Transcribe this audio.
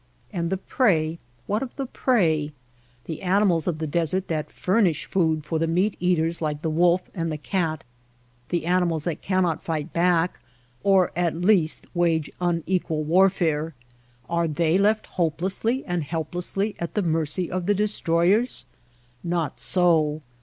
And the prey, what of the prey ! The ani mals of the desert that furnish food for the meat eaters like the wolf and the cat — the ani mals that cannot fight back or at least wage un equal warfare — are they left hopelessly and help lessly at the mercy of the destroyers ? Not so.